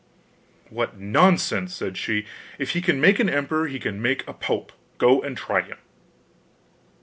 'What nonsense!' said she; 'if he can make an emperor, he can make a pope: go and try him.